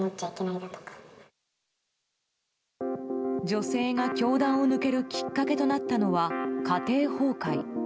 女性が教団を抜けるきっかけとなったのは家庭崩壊。